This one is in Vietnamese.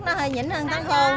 nó hơi nhỉnh hơn tháng hô một tí